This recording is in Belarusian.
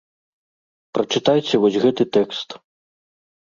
Прачытайце вось гэты тэкст.